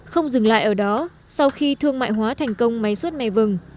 không dừng lại ở đó sau khi thương mại hóa thành công máy suốt mè vừng